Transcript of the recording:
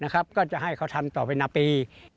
ก็จะให้เขาทำต่อไปนาปี